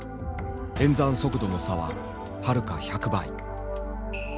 演算速度の差ははるか１００倍。